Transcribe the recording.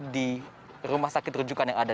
di rumah sakit rujukan yang ada